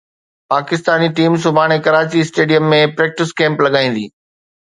Pakistani team سڀاڻي Karachi stadium ۾ practice camp لڳائيندي